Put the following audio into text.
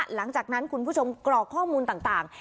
หลังจากนั้นคุณผู้ชมกรอกข้อมูลต่าง